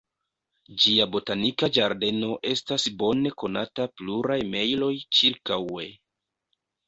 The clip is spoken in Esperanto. Ĝia botanika ĝardeno estas bone konata pluraj mejloj ĉirkaŭe.